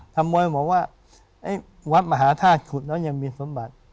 ขโมยบอกว่าวัดมหาธาตุขุดแล้วยังมีสมบัติ